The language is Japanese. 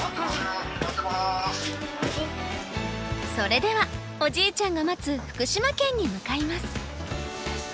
それではおじいちゃんが待つ福島県に向かいます。